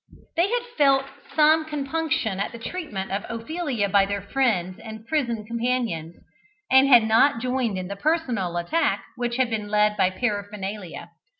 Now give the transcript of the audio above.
They had felt some compunction at the treatment of Ophelia by their friends and prison companions, and had not joined in the personal attack which had been led by Paraphernalia.